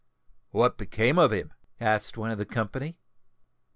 "What became of him?" asked one of the company.